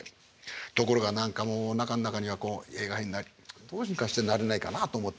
ところが何かもうおなかん中には映画俳優にどうにかしてなれないかなあと思って。